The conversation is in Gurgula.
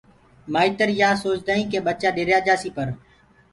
مآئيتر يآ سوچدآ هين ڪي ٻچآ ڏريآ جآسي پر